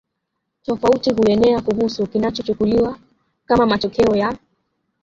tofauti huenea kuhusu kinachochukuliwa kama matokeo ya